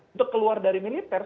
untuk keluar dari militer